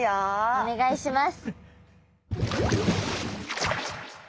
お願いします。